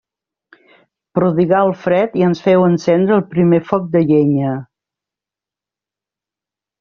Prodigà el fred i ens féu encendre el primer foc de llenya.